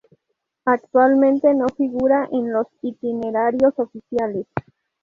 Actualmente no figura en los itinerarios oficiales.